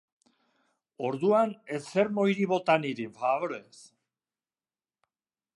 Orduan, ez sermoirik bota niri, faborez!